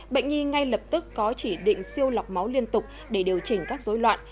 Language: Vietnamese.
bệnh nhi ngay lập tức có chỉ định siêu lọc máu liên tục để điều chỉnh các dối loạn